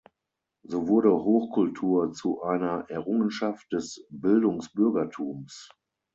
So wurde Hochkultur zu einer Errungenschaft des Bildungsbürgertums.